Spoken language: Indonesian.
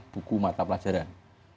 buku mata pelajaran